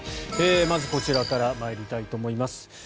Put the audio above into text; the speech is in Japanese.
まずこちらから参りたいと思います。